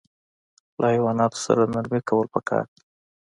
له حیواناتو سره نرمي کول پکار دي.